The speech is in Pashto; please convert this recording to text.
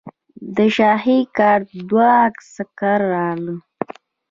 د شاهي ګارډ دوه عسکر راغلل.